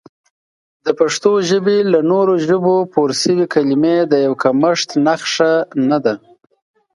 د پښتو ژبې له نورو ژبو پورشوي کلمې د یو کمښت نښه نه ده